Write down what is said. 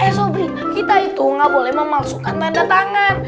eh sobri kita itu enggak boleh memalsukan tanda tangan